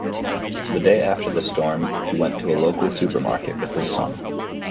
The day after the storm, he went to a local supermarket with his son.